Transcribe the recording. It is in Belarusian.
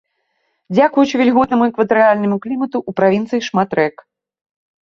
Дзякуючы вільготнаму экватарыяльнаму клімату ў правінцыі шмат рэк.